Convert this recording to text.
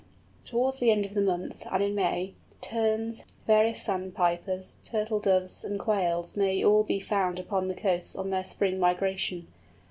Towards the end of the month, and in May, Terns, various Sandpipers, Turtle Doves, and Quails, may all be found upon the coasts on their spring migration.